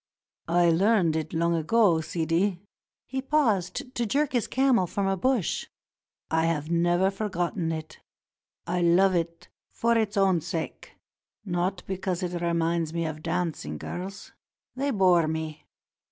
"I learned it long ago, Sidi," — he paused to jerk his camel from a bush; "I have never forgotten it. I love it for its own sake, not because it reminds me of dancing girls. They bore me.